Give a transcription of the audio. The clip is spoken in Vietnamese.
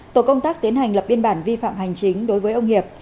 tổ công tác tiến hành lập biên bản vi phạm hành chính đối với ông hiệp